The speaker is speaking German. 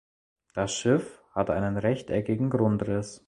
Das Schiff hat einen rechteckigen Grundriss.